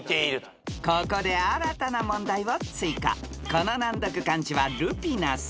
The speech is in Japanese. ［この難読漢字はルピナス？